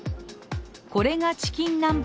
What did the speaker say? これがチキン南蛮